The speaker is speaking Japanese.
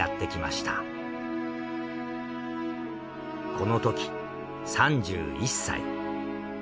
このとき３１歳。